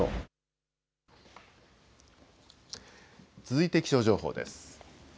続いて気象情報です。